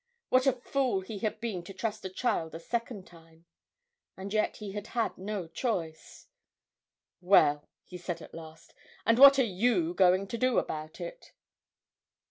What a fool he had been to trust a child a second time! and yet he had had no choice. 'Well,' he said at last, 'and what are you going to do about it?'